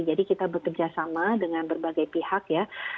jadi kita bekerjasama dengan berbagai pihak ya